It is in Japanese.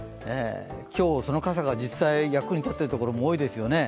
今日、その傘が実際役に立っているところも多いですよね。